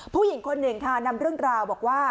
ผู้หญิงคนหนึ่งค่ะนำเรื่องราวบอกว่า